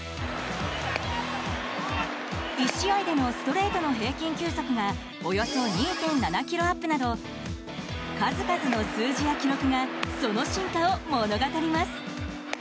１試合でのストレートの平均球速がおよそ２．７キロアップなど数々の数字や記録がその進化を物語ります。